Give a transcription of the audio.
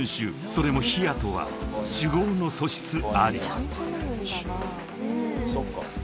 それも冷やとは酒豪の素質あり］